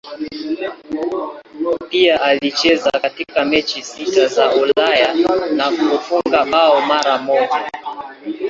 Pia alicheza katika mechi sita za Ulaya na kufunga bao mara moja.